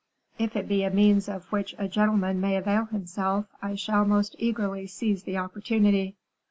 "If it be a means of which a gentleman may avail himself, I shall most eagerly seize the opportunity."